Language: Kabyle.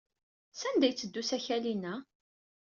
Sanda ay yetteddu usakal-inna?